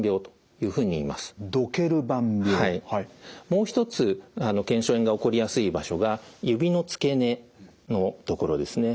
もう一つ腱鞘炎が起こりやすい場所が指の付け根のところですね。